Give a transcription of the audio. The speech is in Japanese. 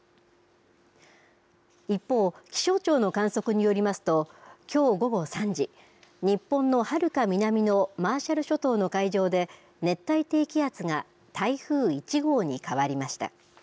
一方、気象庁の観測によりますときょう午後３時日本のはるか南のマーシャル諸島の海上で熱帯低気圧が台風１号に変わりました。